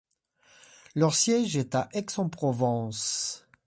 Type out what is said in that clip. Leur siège est à Aix-en-Provence.